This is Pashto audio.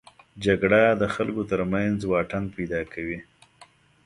جګړه د خلکو تر منځ واټن پیدا کوي